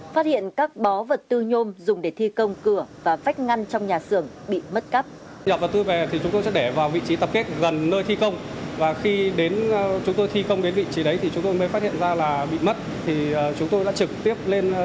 phát hiện các bó vật tư nhôm dùng để thi công cửa và phách ngăn trong nhà xưởng bị mất cắp